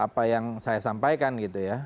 apa yang saya sampaikan gitu ya